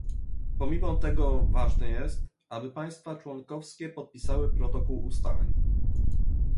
Pomimo tego ważne jest, aby państwa członkowskie podpisały protokół ustaleń